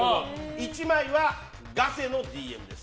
１枚はガセのＤＭです。